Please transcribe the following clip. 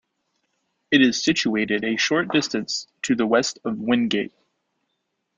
It is situated a short distance to the west of Wingate.